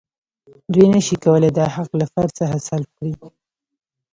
دوی نشي کولای دا حق له فرد څخه سلب کړي.